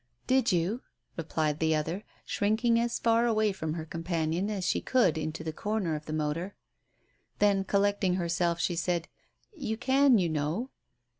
" Did you ?" replied the other, shrinking as far away from her companion as she could into the corner of the motor. Then, collecting herself, she said, "You can, you know."